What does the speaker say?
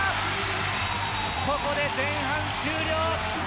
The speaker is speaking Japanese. ここで前半終了。